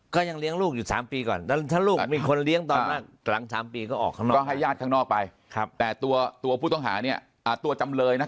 ก็ยังเลี้ยงลูกอยู่๓ปีก่อนแล้วถ้าลูกมีคนเลี้ยงตอนหลัง๓ปีก็ออกข้างนอกก็ให้ญาติข้างนอกไปแต่ตัวผู้ต้องหาเนี่ยตัวจำเลยนะ